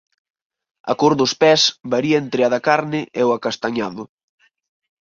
A cor dos pes varía entre a da carne e o acastañado.